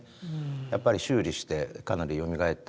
やっぱり修理してかなりよみがえったという感じ。